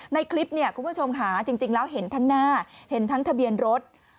ในคลิปเนี่ยคุณผู้ชมค่ะจริงแล้วเห็นทั้งหน้าเห็นทั้งทะเบียนรถ